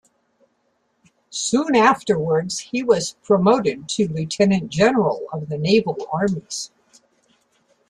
Soon afterwards he was promoted to Lieutenant General of the Naval Armies.